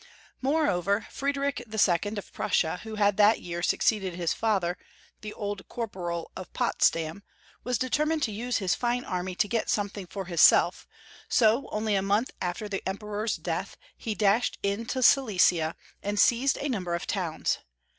Moreover, Friedrich II. of Prussia, who had that year succeeded his father, the old Corporal of Pots dam, was determined to use his fine army to get something for himself, so, only a month after the Emperor's death, he dashed into Silesia, and seized a number of towns.